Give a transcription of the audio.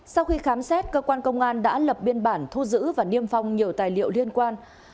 sau khi khám xét cơ quan công an đã lập biên bản thu giữ và niêm phong nhiều tài liệu liên quan